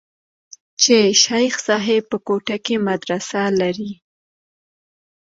چې شيخ صاحب په کوټه کښې مدرسه لري.